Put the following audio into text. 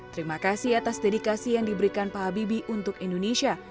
terima kasih atas dedikasi yang diberikan pak habibie untuk indonesia